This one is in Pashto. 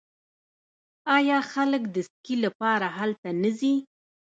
آیا خلک د سکي لپاره هلته نه ځي؟